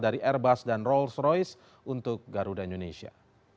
dari airbus dan rolls royce untuk garuda indonesia